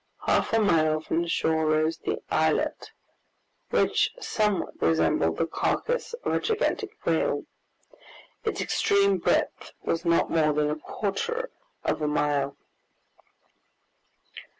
Half a mile from the shore rose the islet, which somewhat resembled the carcass of a gigantic whale. Its extreme breadth was not more than a quarter of a mile.